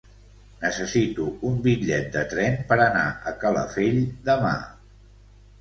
Necessito un bitllet de tren per anar a Calafell demà.